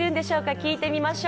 聞いてみましょう。